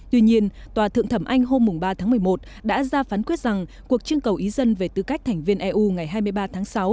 tuy nhiên tòa thượng thẩm anh hôm ba tháng một mươi một đã ra phán quyết rằng cuộc trưng cầu ý dân về tư cách thành viên eu ngày hai mươi ba tháng sáu